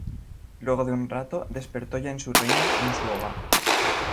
Luego de un rato, despertó ya en su reino, en su hogar.